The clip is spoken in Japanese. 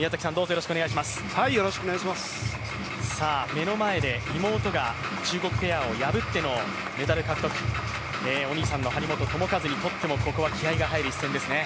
目の前で妹が中国ペアを破ってのメダル獲得、お兄さんの張本智和にとっても、ここは気合いが入る一戦ですね。